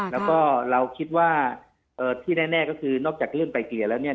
แล้วก็เราคิดว่าที่แน่ก็คือนอกจากเรื่องไกลเกลี่ยแล้วเนี่ย